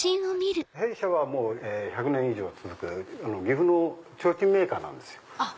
弊社は１００年以上続く岐阜の提灯メーカーなんですよ。